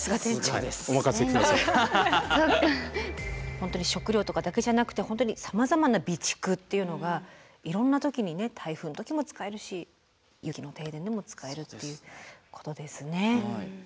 本当に食料とかだけじゃなくて本当にさまざまな備蓄っていうのがいろんな時にね台風の時も使えるし雪の停電でも使えるっていうことですね。